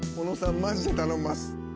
マジで頼んます。